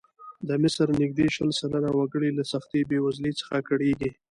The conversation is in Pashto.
د مصر نږدې شل سلنه وګړي له سختې بېوزلۍ څخه کړېږي.